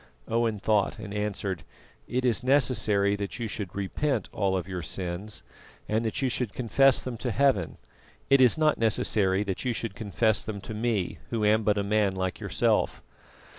Owen thought and answered: "It is necessary that you should repent all of your sins, and that you should confess them to heaven; it is not necessary that you should confess them to me, who am but a man like yourself."